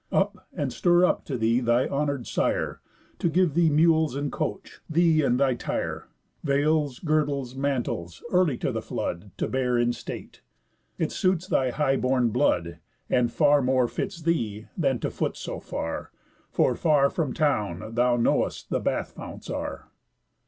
Up, and stir up to thee thy honour'd sire, To give thee mules and coach, thee and thy tire, Veils, girdles, mantles, early to the flood To bear in state. It suits thy high born blood, And far more fits thee, than to foot so far, For far from town thou know'st the bath founts are."